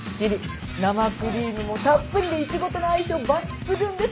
生クリームもたっぷりでイチゴとの相性抜群です。